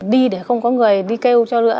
đi để không có người đi kêu chồng